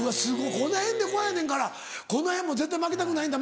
このへんでこうやねんからこのへんも絶対負けたくないんだ